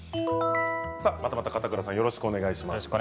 またまた片倉さんよろしくお願いします。